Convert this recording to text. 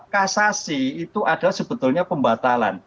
kasasi itu adalah sebetulnya pembatalan